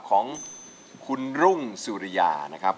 ของคุณรุ่งสุริยานะครับ